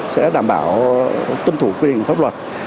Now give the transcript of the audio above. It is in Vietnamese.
sẽ đảm bảo tuân thủ quy định pháp luật